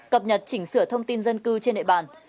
cập nhật chỉnh sửa thông tin dân cư trên nệ bản